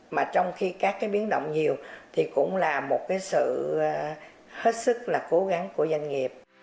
mà trong khi các cái biến động nhiều thì cũng là một cái sự hết sức là cố gắng của doanh nghiệp